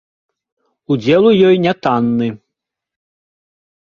Удзел у ёй нятанны.